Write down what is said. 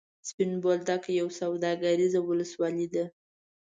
سپین بولدک یوه سوداګریزه ولسوالي ده.